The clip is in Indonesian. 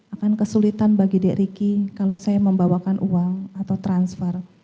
akan kesulitan bagi dek ricky kalau saya membawakan uang atau transfer